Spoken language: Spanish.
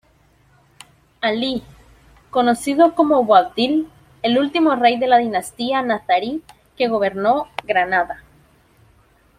ʿAlī, conocido como Boabdil, el último rey de la dinastía nazarí que gobernó Granada.